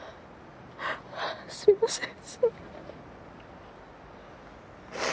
すみません。